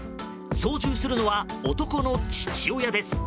操縦するのは男の父親です。